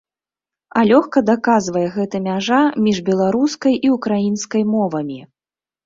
А лёгка даказвае гэта мяжа між беларускай і ўкраінскай мовамі.